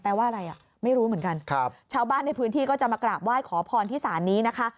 ว่าอะไรอ่ะไม่รู้เหมือนกันครับชาวบ้านในพื้นที่ก็จะมากราบไหว้ขอพรที่ศาลนี้นะคะ